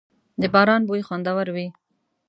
• د باران بوی خوندور وي.